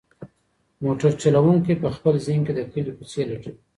موټر چلونکی په خپل ذهن کې د کلي کوڅې لټوي.